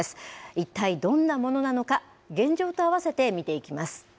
一体どんなものなのか、現状とあわせて見ていきます。